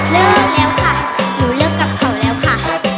เลิกแล้วค่ะหนูเลิกกับเขาแล้วค่ะ